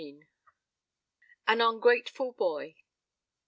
AN UNGRATEFUL BOY.